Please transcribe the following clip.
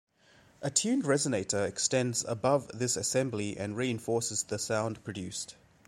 A tuned resonator extends above this assembly and reinforces the sound produced.